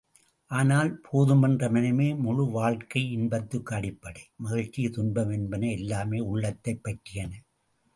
ஆனால், போதுமென்ற மனமே முழு வாழ்க்கை இன்பத்துக்கு அடிப்படை, மகிழ்ச்சி, துன்பம் என்பன எல்லாமே உள்ளத்தைப் பற்றியன.